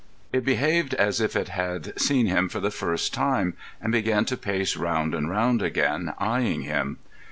It behaved as if it had seen him for the first time, and began to pace round and round again, eyeing him.